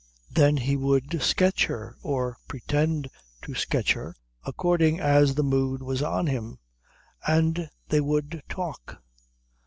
Then he would sketch her, or pretend to sketch her according as the mood was on him, and they would talk.